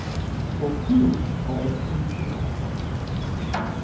For who are a free people